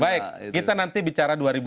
baik kita nanti bicara dua ribu sembilan belas